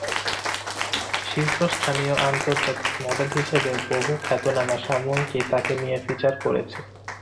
শীর্ষস্থানীয় আন্তর্জাতিক মডেল হিসেবে বহু খ্যাতনামা সাময়িকী তাঁকে নিয়ে ফিচার করেছে।